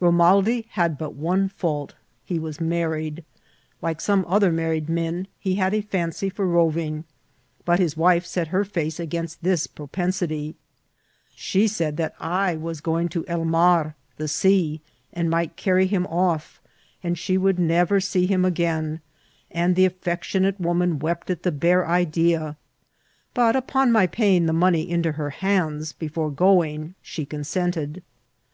Bo maldi had but one fault : he was married ; like some other nuurried men, he had a fancy for roving ; but his wife set her face against this propensity ; she said that I was going to El Mar, the sea, and might carry him off, and she would never see him again, and the affection* ate woman wept at the bare idea ; but upon my paying the money into her hands before going, riie consented.